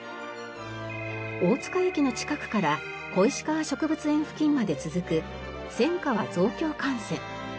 大塚駅の近くから小石川植物園付近まで続く千川増強幹線。